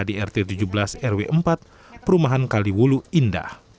di rt tujuh belas rw empat perumahan kaliwulu indah